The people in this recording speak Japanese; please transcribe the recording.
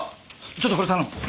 ちょっとこれ頼む。